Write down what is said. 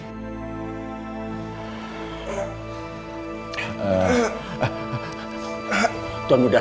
tuan uda tuan uda